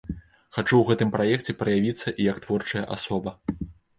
Хачу ў гэтым праекце праявіцца і як творчая асоба.